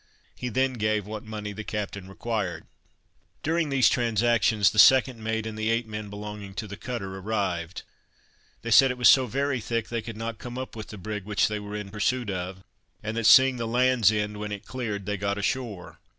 He then gave what money the captain required. During these transactions, the second mate and the eight men belonging to the cutter arrived. They said it was so very thick they could not come up with the brig which they were in pursuit of, and that, seeing the Lands End when it cleared, they got ashore.